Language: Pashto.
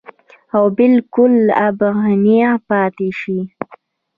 او بالکل اېغ نېغ پاتې شي -